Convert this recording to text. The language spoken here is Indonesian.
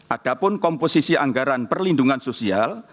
adapun komposisi anggaran perlindungan sosial